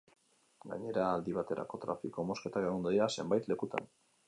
Gainera, aldi baterako trafiko-mozketak egongo dira zenbait lekutan.